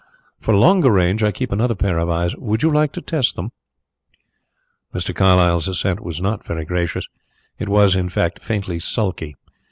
"For longer range I keep another pair of eyes. Would you like to test them?" Mr. Carlyle's assent was not very gracious; it was, in fact, faintly sulky.